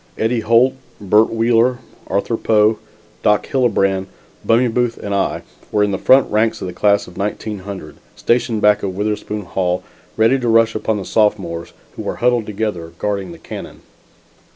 Eddie Holt, Bert Wheeler, Arthur Poe, Doc Hillebrand, Bummie Booth and I were in the front ranks of the class of 1900, stationed back of Witherspoon Hall ready to make the rush upon the sophomores, who were huddled together guarding the cannon.